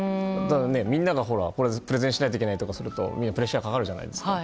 みんながプレゼンしないといけないとかだとプレッシャーがかかるじゃないですか。